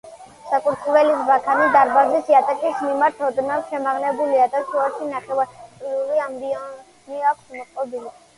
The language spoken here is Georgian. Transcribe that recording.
საკურთხევლის ბაქანი დარბაზის იატაკის მიმართ ოდნავ შემაღლებულია და შუაში ნახევარწრიული ამბიონი აქვს მოწყობილი.